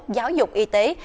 giáo dục y tế